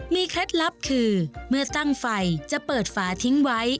เคล็ดลับคือเมื่อตั้งไฟจะเปิดฝาทิ้งไว้